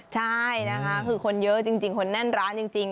ใช่นะคะคือคนเยอะจริงคนแน่นร้านจริง